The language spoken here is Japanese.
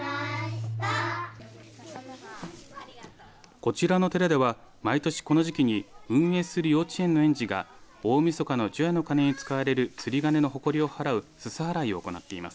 こちらの寺では毎年、この時期に運営する幼稚園の園児が大みそかの除夜の鐘に使われる釣り鐘のほこりを払うすす払いを行っています。